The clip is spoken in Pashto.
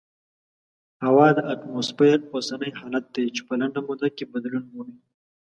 هوا د اتموسفیر اوسنی حالت دی چې په لنډه موده کې بدلون مومي.